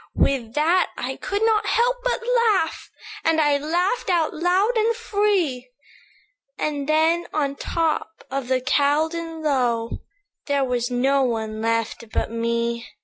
"With that I could not help but laugh, And I laughed out loud and free; And then on the top of the Caldon Low There was no one left but me.